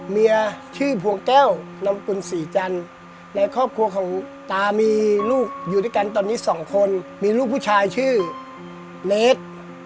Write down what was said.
เมียชื่อพวงแก้วนำกุลศรีจันทร์ในครอบครัวของตามีลูกอยู่ด้วยกันตอนนี้สองคนมีลูกผู้ชายชื่อเนส